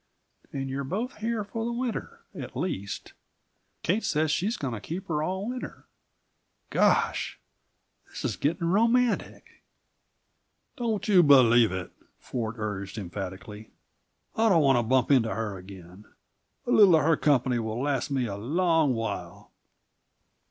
And you're both here for the winter at least, Kate says she's going to keep her all winter. Gosh! This is getting romantic!" "Don't you believe it!" Ford urged emphatically. "I don't want to bump into her again; a little of her company will last me a long while!"